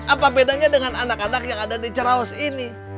apa bedanya dengan anak anak yang ada di cerawas ini